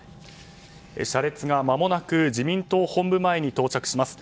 車列がまもなく自民党本部前に到着します。